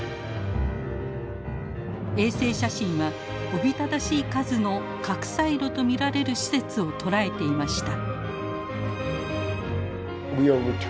衛星写真はおびただしい数の核サイロと見られる施設を捉えていました。